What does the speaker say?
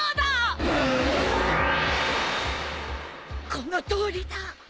このとおりだ。